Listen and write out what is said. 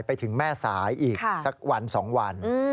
ไปถึงแม่สายอีกสักวัน๒วัน